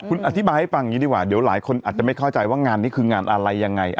คุณอธิบายให้ฟังอย่างนี้ดีกว่าเดี๋ยวหลายคนอาจจะไม่เข้าใจว่างานนี้คืองานอะไรยังไง